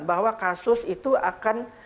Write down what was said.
bahwa kasus itu akan